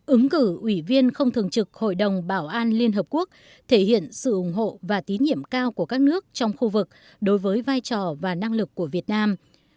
ứng cử ủy viên không thường trực hội đồng bảo an liên hợp quốc thể hiện sự ủng hộ và tín nhiệm cao của các nước trong khu vực đối với vai trò và năng lực của việt nam